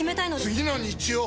次の日曜！